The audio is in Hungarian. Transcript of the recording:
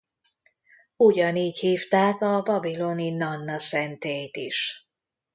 Ugyanígy hívták a babiloni Nanna-szentélyt is.